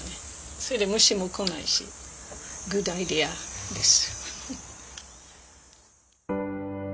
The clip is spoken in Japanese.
それで虫も来ないしグッドアイデアです。